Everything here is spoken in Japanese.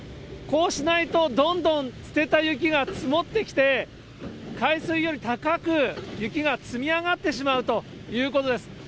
こうしないと、どんどん捨てた雪が積もってきて、海水より高く雪が積み上がってしまうということです。